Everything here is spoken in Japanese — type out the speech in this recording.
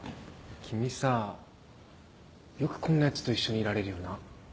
君さぁよくこんなやつと一緒にいられるよな？